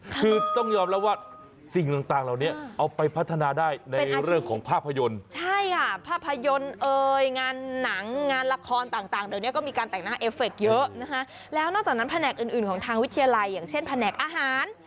เพราะฉะนั้นแผนกอื่นของทางวิทยาลัยอย่างเช่นแผนกอาหาร